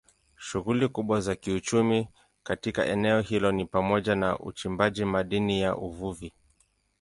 Shughuli kubwa za kiuchumi katika eneo hilo ni pamoja na uchimbaji madini na uvuvi.